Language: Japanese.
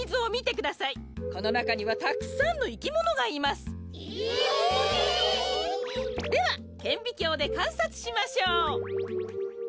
このなかにはたくさんのいきものがいます。えっ！？ではけんびきょうでかんさつしましょう。